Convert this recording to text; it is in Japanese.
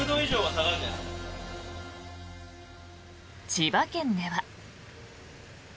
千葉県では。